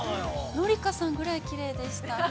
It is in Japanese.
紀香さんぐらいきれいでした。